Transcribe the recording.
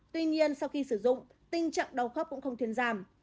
tuy nhiên sau khi sử dụng tình trạng đau khớp cũng không thiên giảm